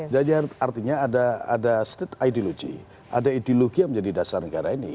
dan artinya ada state ideology ada ideologi yang menjadi dasar negara ini